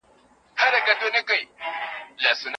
ابوبکر صدیق د خپل خلافت پر مهال د خلکو په منځ کې ګرځېده.